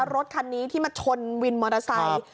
รถคันนี้ที่มาชนวินมอเตอร์ไซค์